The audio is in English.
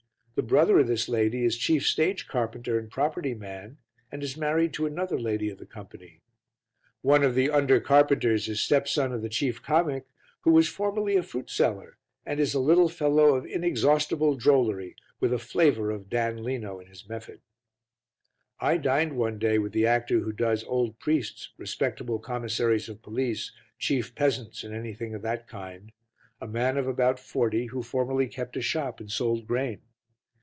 The brother of this lady is chief stage carpenter and property man, and is married to another lady of the company. One of the under carpenters is stepson of the chief comic who was formerly a fruit seller and is a little fellow of inexhaustible drollery with a flavour of Dan Leno in his method. I dined one day with the actor who does old priests, respectable commissaries of police, chief peasants and anything of that kind, a man of about forty who formerly kept a shop and sold grain.